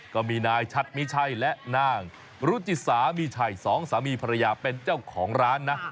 ก็มีนายชัดมิชัยและนางรุจิสามีชัยสองสามีภรรยาเป็นเจ้าของร้านนะ